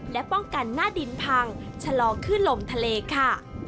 และป้องกันหน้าดินพังชะลอขึ้นลมทะเลค่ะ